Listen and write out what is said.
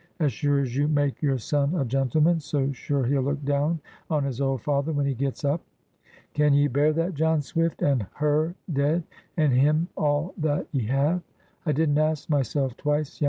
As sure as you make your son a gentleman, so sure he'll look down on his old father when he gets up. Can ye bear that, John Swift, and her dead, and him all that ye have?' I didn't ask myself twice, Jan.